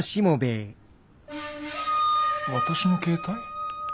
私の携帯？